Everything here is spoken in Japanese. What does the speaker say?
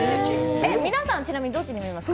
皆さん、ちなみにどっちに見えますか。